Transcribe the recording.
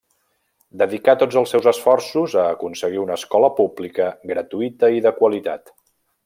Dedicà tots els seus esforços a aconseguir una escola pública gratuïta i de qualitat.